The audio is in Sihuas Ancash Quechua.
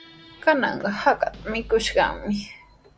Kananqa hakata mikushaqmi.